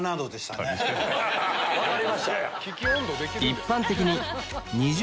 分かりました？